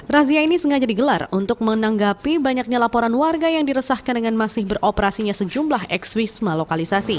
razia ini sengaja digelar untuk menanggapi banyaknya laporan warga yang diresahkan dengan masih beroperasinya sejumlah ekswisma lokalisasi